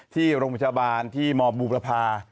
ที่โรงพยาบาลที่มบูรพา